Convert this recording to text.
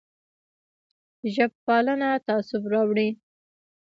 ژب پالنه تعصب راوړي